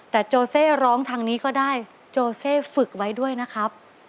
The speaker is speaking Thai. แต่โจเซร้องทางนี้ก็ได้โจเซฝึกไว้ด้วยนะครับ